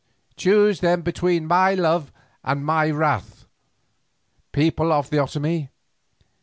Choose then between my love and my wrath, people of the Otomie.